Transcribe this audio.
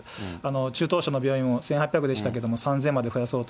中等症の病院も１８００でしたけれども、３０００まで増やそうと